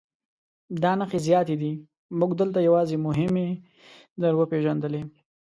دا نښې زیاتې دي موږ دلته یوازې مهمې در وپېژندلې.